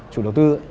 chủ đầu tư